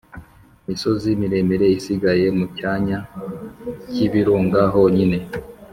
misozi miremire zisigaye mu cyanya k’ibirunga honyine.